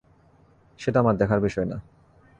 সেটা আমার দেখার বিষয় না!